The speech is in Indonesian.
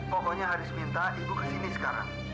pokoknya haris minta ibu ke sini sekarang